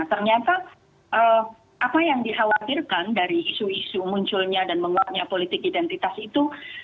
ternyata apa yang dikhawatirkan dari isu isu munculnya dan menguatnya politik identitas itu